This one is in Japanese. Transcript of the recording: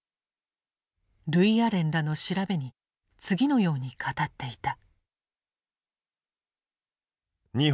ルイアレンらの調べに次のように語っていた。